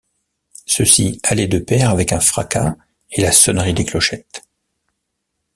Ceci allait de pair avec un fracas et la sonnerie des clochettes.